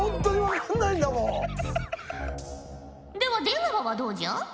では出川はどうじゃ？